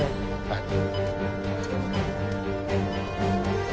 はい。